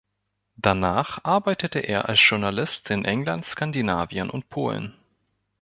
Danach arbeitete er als Journalist in England, Skandinavien und Polen.